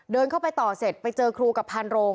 เดินเข้าไปต่อเสร็จไปเจอครูกับพานโรง